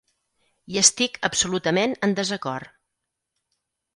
Hi estic absolutament en desacord.